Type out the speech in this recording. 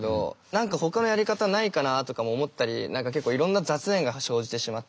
何かほかのやり方ないかなあとかも思ったり結構いろんな雑念が生じてしまって。